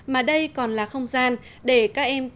mà đây còn là không gian để các em học sinh